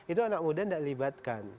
itu anak muda tidak libatkan